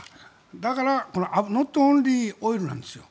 だからノットオンリーオイルなんですよ。